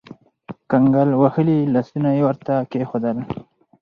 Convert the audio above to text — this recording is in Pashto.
کنګل وهلي لاسونه يې ورته کېښودل.